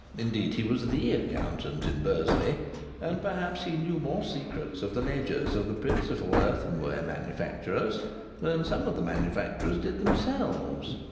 Indeed, he was the accountant in Bursley, and perhaps he knew more secrets of the ledgers of the principal earthenware manufacturers than some of the manufacturers did themselves.